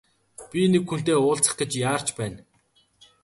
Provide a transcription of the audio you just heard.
Би нэг хүнтэй уулзах гэж яарч байна.